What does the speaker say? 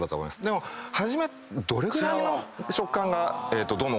でも初めどれぐらいの食感がどの温度か。